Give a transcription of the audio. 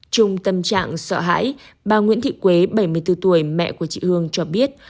trung tâm trạng sợ hãi bà nguyễn thị quế bảy mươi bốn tuổi mẹ của chị hương cho biết